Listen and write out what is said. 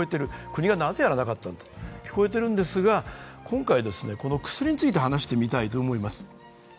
国がなぜやらなかったと聞こえているんですが、今回、薬について話してみたいと思います。